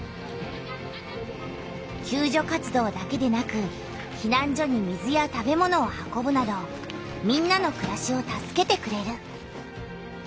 救助活動だけでなくひなん所に水や食べ物を運ぶなどみんなのくらしを助けてくれる。